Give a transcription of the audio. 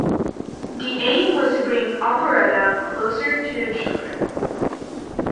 The aim was to bring operetta closer to the children.